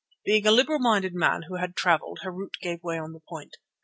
Being a liberal minded man who had travelled, Harût gave way on the point.